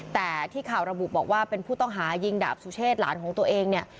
แต่ที่ข่าวระบุบอกว่าเป็นผู้ต้องหายิงดาบสุเชษหลานของตัวเองเนี่ย